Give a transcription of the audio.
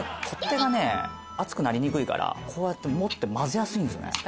取っ手がね熱くなりにくいからこうやって持って混ぜやすいんですよね。